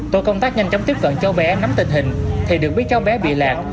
tổ công tác nhanh chóng tiếp cận cháu bé nắm tình hình thì được biết cháu bé bị lạc